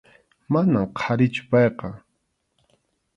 Manam qharichu payqa.